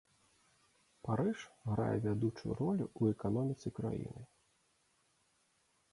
Парыж грае вядучую ролю ў эканоміцы краіны.